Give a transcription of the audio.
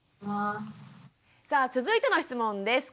さあ続いての質問です。